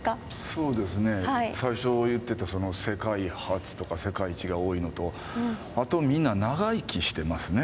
そうですね最初言ってた世界初とか世界一が多いのとあとみんな長生きしてますね。